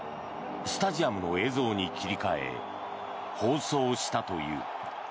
スタジアムの映像に切り替え放送したという。